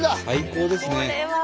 最高ですね。